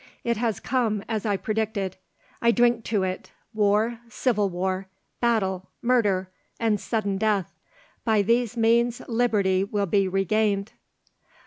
It has come, as I predicted. I drink to it, war, civil war, battle, murder, and sudden death, by these means liberty will be regained!"